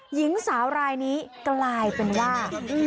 หญิงสาวรายนี้กลายเป็นว่า